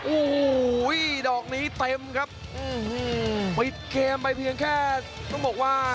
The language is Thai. โอ้โหดอกนี้เต็มครับปิดเกมไปเพียงแค่ต้องบอกว่า